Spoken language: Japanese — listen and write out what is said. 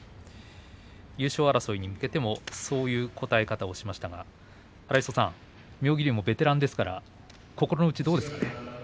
優勝争いに対してもそういう答え方をしましたが妙義龍もベテランですから心の内はどうですかね。